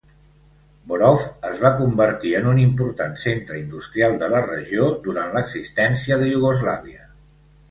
Borovo es va convertir en un important centre industrial de la regió durant l'existència de Iugoslàvia.